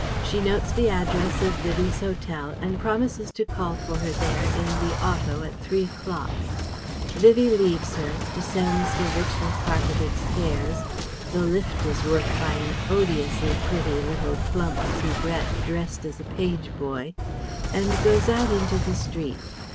She notes the address of Vivie's hotel and promises to call for her there in the auto at three o'clock. Vivie leaves her, descends the richly carpeted stairs the lift is worked by an odiously pretty, little, plump soubrette dressed as a page boy and goes out into the street.